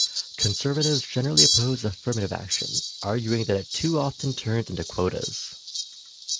Conservatives generally oppose affirmative action, arguing that it too often turns into quotas.